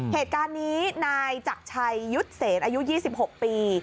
เหตุการณ์นี้นายจักรชัยยุทธเศรษฐ์อายุยี่สิบหกปี